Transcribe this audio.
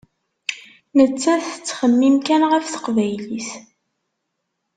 Nettat tettxemmim kan ɣef teqbaylit.